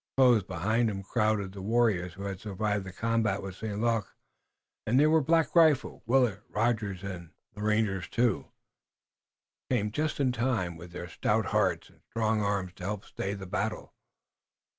Close behind him crowded the warriors who had survived the combat with St. Luc, and there were Black Rifle, Willet, Rogers and the rangers, too, come just in time, with their stout hearts and strong arms to help stay the battle.